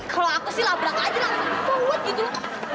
kalau aku sih labrak aja langsung bawa buat gitu